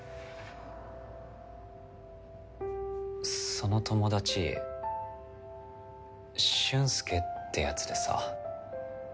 その友達俊介ってやつでさ